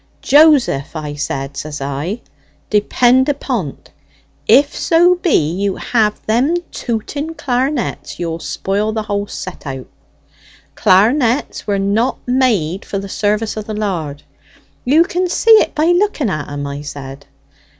'Joseph,' I said, says I, 'depend upon't, if so be you have them tooting clar'nets you'll spoil the whole set out. Clar'nets were not made for the service of the Lard; you can see it by looking at 'em,' I said.